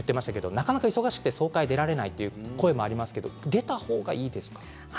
なかなかお忙しくて出られないという声もありますけれど出た方がいいですか？